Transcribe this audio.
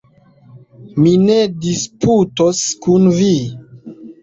Mi ne disputos kun vi.